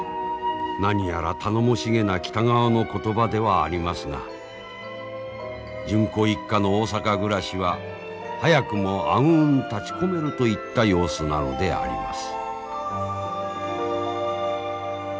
何やら頼もしげな北川の言葉ではありますが純子一家の大阪暮らしは早くも暗雲立ちこめるといった様子なのであります。